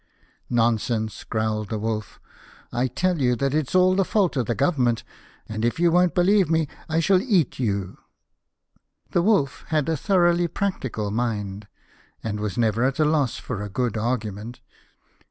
"Nonsense!" growled the Wolf. "I tell you that it is all the fault of the Government, and if you don't believe me I shall eat you." The Wolf had a thoroughly practical mind, and was never at a loss for a good argument.